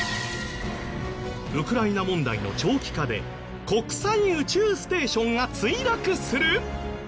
ウクライナ問題の長期化で国際宇宙ステーションが墜落する！？